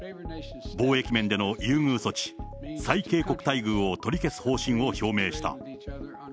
貿易面での優遇措置、最恵国待遇を取り消す方針を表明した。